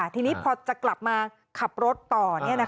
ทีนี้พอจะกลับมาขับรถต่อ